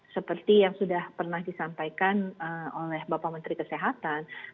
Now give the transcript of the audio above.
seperti yang sudah pernah disampaikan oleh bapak menteri kesehatan